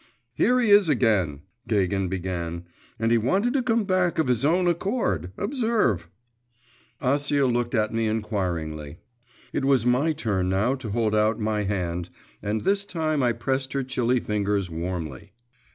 'Here he is again,' Gagin began, 'and he wanted to come back of his own accord, observe.' Acia looked at me inquiringly. It was my turn now to hold out my hand, and this time I pressed her chilly fingers warmly.